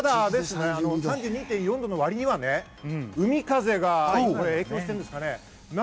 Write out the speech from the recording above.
３２．４度の割にはね、海風が影響しているんですかね。